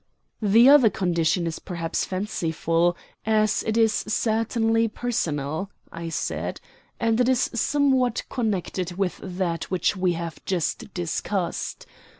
"The other condition is perhaps fanciful, as it is certainly personal," I said, "and it is somewhat connected with that which we have just discussed.